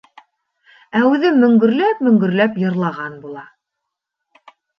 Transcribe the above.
Ә үҙе мөңгөрләп-мөңгөрләп йырлаған була.